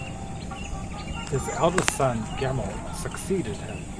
His eldest son Gamel succeeded him.